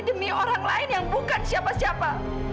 demi orang lain yang bukan siapa siapa